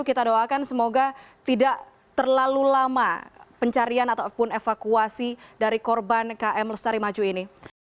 kita doakan semoga tidak terlalu lama pencarian ataupun evakuasi dari korban km lestari maju ini